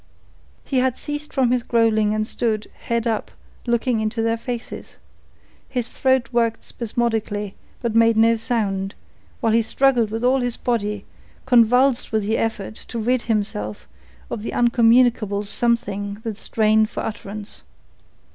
He had ceased from his growling and stood, head up, looking into their faces. His throat worked spasmodically, but made no sound, while he struggled with all his body, convulsed with the effort to rid himself of the incommunicable something that strained for utterance.